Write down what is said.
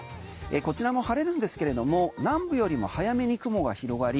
こちらも晴れるんですけれども南部よりも早めに雲が広がり